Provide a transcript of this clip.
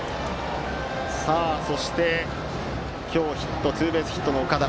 そして、今日ツーベースヒットの岡田。